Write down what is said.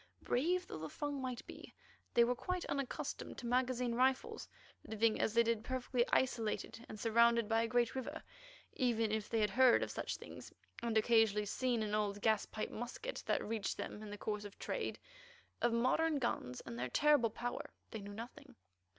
Brave though the Fung might be, they were quite unaccustomed to magazine rifles. Living as they did perfectly isolated and surrounded by a great river, even if they had heard of such things and occasionally seen an old gaspipe musket that reached them in the course of trade, of modern guns and their terrible power they knew nothing.